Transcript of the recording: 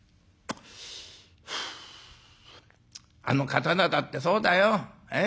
「あの刀だってそうだよ。ええ？